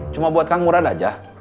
cuma buat kang murad aja